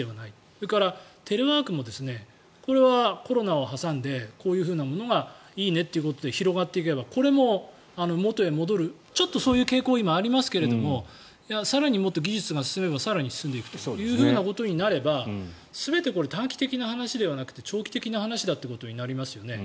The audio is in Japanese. それからテレワークもこれはコロナを挟んでこういうものがいいねということで広がっていけばこれも元へ戻るちょっとそういう傾向今ありますけど更にもっと技術が進めば更に進んでいくということになれば全て短期的な話ではなくて長期的な話だということになりますよね。